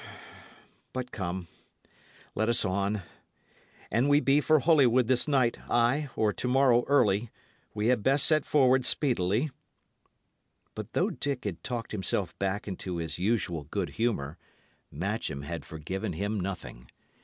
But, come, let us on. An we be for Holywood this night, ay, or to morrow early, we had best set forward speedily." But though Dick had talked himself back into his usual good humour, Matcham had forgiven him nothing.